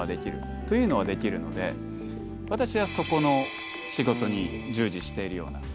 というのはできるので私はそこの仕事に従事しているような感じです。